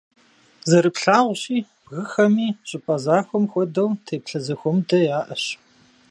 Зэрыплъагъущи, бгыхэми, щӀыпӀэ захуэм хуэдэу, теплъэ зэхуэмыдэ яӀэщ.